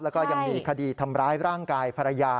แล้วก็ยังมีคดีทำร้ายร่างกายภรรยา